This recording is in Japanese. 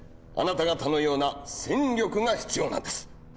あなた方のような戦力が必要なんです。